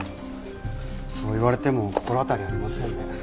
そう言われても心当たりありませんね。